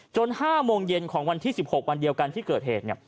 ๕โมงเย็นของวันที่๑๖วันเดียวกันที่เกิดเหตุ